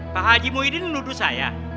pak haji muhyiddin menuduh saya